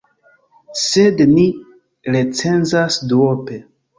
Sed ni recenzas duope.